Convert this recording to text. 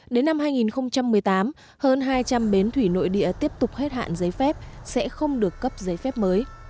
đến năm hai nghìn một mươi tám hơn hai trăm linh bến thủy nội địa tiếp tục hết hạn giấy phép sẽ không được cấp giấy phép mới